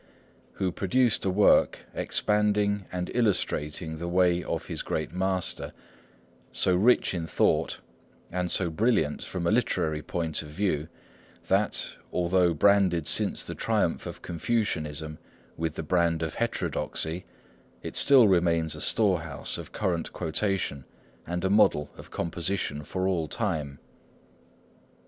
who produced a work expanding and illustrating the Way of his great Master, so rich in thought and so brilliant from a literary point of view that, although branded since the triumph of Confucianism with the brand of heterodoxy, it still remains a storehouse of current quotation and a model of composition for all time.